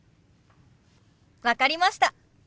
分かりました。